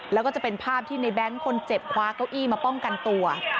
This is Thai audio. แล้วก็จะเป็นภาพที่ในแง๊งคนเจ็บคว้าเก้าอี้มาป้องกันตัว